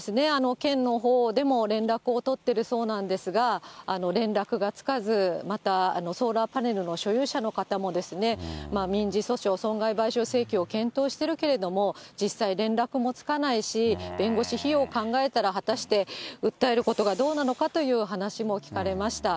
県のほうでも連絡を取っているそうなんですが、連絡がつかず、また、ソーラーパネルの所有者の方も、民事訴訟、損害賠償請求を検討しているけれども、実際、連絡もつかないし、弁護士費用を考えたら、果たして、訴えることがどうなのかという話も聞かれました。